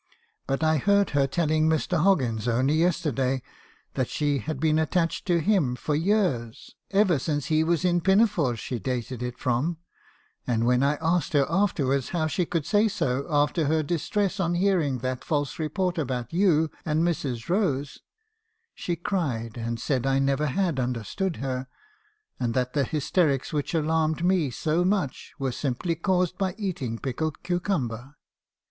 But I heard her telling Mr. Hoggins only yesterday that she had been attached to him for years ; ever since he was in pinafores, she dated it from; and when I asked her afterwards how she could say so, after her distress on hearing that false report about you and Mrs. Rose, she cried, and said I never had understood her; and that the hysterics which alarmed me so much, were simply caused by eating pickled cucumber.